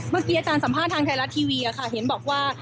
เมื่อกี้อาจารย์สัมภาษณ์ทางไทยรัฐทีวีค่ะเห็นบอกว่า